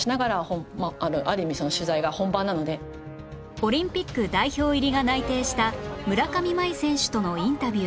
オリンピック代表入りが内定した村上茉愛選手とのインタビュー